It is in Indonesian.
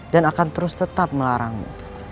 dan akan terus tetap melarangmu